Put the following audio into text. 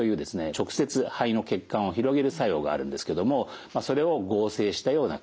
直接肺の血管を広げる作用があるんですけどもそれを合成したような薬。